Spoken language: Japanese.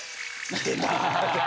出た。